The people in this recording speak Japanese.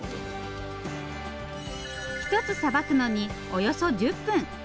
１つさばくのにおよそ１０分。